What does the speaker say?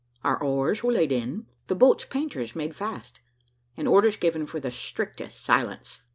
Our oars were laid in; the boats' painters made fast; and orders given for the strictest silence.